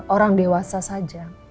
orang dewasa saja